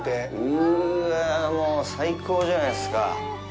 うわあ、もう最高じゃないですか。